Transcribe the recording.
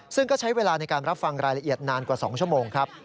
ซึ่งก็ใช้เวลาในการรับฟังรายละเอียดนานกว่า๒ชั่วโมงครับ